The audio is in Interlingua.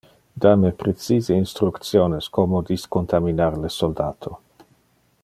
Da me precise instructiones como discontaminar le soldato.